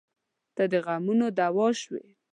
• ته د غمونو دوا شوې.